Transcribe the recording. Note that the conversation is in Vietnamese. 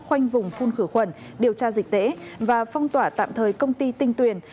khoanh vùng phun khử khuẩn điều tra dịch tễ và phong tỏa tạm thời công ty tinh tuyền